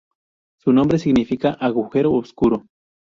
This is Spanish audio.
Su nombre significa "agujero oscuro".